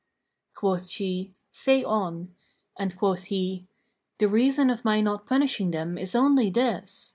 Quoth she, "Say on," and quoth he, "The reason of my not punishing them is only this.